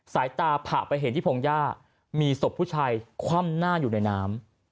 สายตาผ่าไปเห็นที่พงหญ้ามีศพผู้ชายคว่ำหน้าอยู่ในน้ำ